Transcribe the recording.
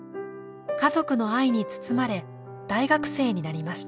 家族の愛に包まれ大学生になりました。